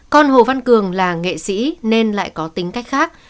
con hồ văn cường là nghệ sĩ nên lại có tính cách khác